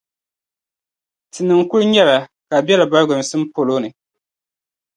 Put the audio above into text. Tinima kuli nyara ka a be la bɔriginsim polo ni.